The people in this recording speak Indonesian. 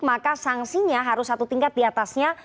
maka sanksinya harus satu tingkat di atasnya